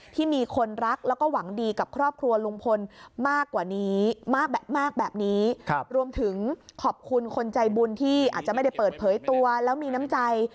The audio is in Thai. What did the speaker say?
ที่มีคนรักแล้วก็หวังดีกับครอบครัวลุงพลมากกว่านี้มากแบบนี้รวมถึงขอบคุณคนใจบุญที่อาจจะไม่ได้เปิดเผยตัวแล้วมีน้ำใจ